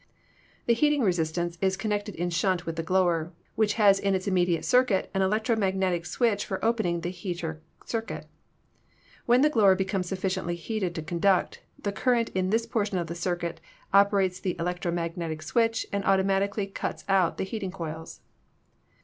The heating resistance is connected in shunt with the glower, which has in its immediate circuit an electro magnetic switch for opening the heater circuit. When the glower becomes sufficiently heated to conduct, the current in this portion of the circuit operates the electro magnetic switch and automatically cuts out the heating coils.